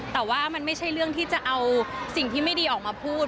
แต่ว่ามันไม่ใช่เรื่องที่จะเอาสิ่งที่ไม่ดีออกมาพูด